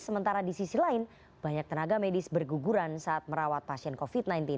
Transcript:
sementara di sisi lain banyak tenaga medis berguguran saat merawat pasien covid sembilan belas